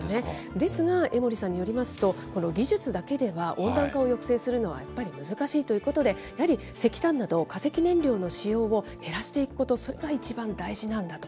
ですが、江守さんによりますと、この技術だけでは温暖化を抑制するのはやっぱり、難しいということで、やはり石炭など、化石燃料の使用を減らしていくこと、それが一番大事なんだと。